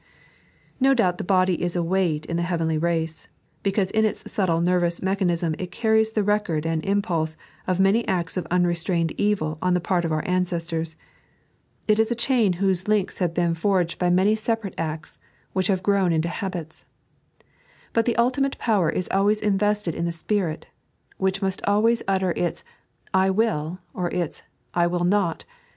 No doubt the body is a weight in the heavenly race, because in its subtle nervous mechanism it carries the record and impulse of many acts of unrestrained evil on the part of our ancestors. It is a chain whose links liave 3.a.i,zed by Google Hbrbditt — VicroBT ! 65 been forged by many separate acts, which have grown into babits. But the ultimate power is always invested in the spirit, which must always utter its / wiU I or its / wUl not